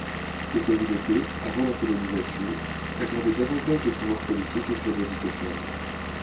Ces communautés, avant la colonisation, accordaient davantage de pouvoir politique et symbolique aux femmes.